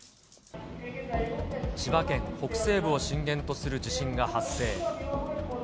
千葉県北西部を震源とする地震が発生。